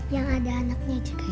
yang ada anaknya juga